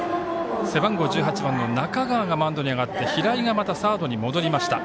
背番号１８番の中川がマウンドに上がって平井がサードに戻りました。